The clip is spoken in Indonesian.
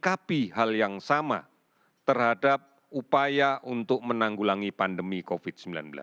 sikapi hal yang sama terhadap upaya untuk menanggulangi pandemi covid sembilan belas